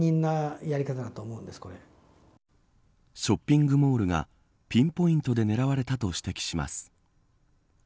ショッピングモールがピンポイントで狙われたと指摘します。